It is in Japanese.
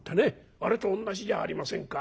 あれと同じじゃありませんか。